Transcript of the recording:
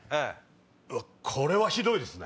うわっこれはひどいですね。